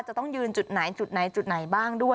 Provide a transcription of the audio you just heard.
จะต้องยืนจุดไหนจุดไหนจุดไหนบ้างด้วย